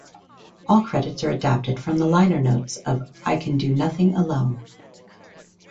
All credits are adapted from the liner notes of "I Can Do Nothing Alone".